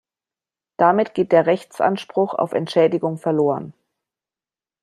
Damit geht der Rechtsanspruch auf Entschädigung verloren.